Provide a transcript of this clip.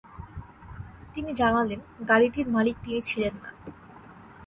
তিনি জানালেন, গাড়িটির মালিক তিনি ছিলেন না।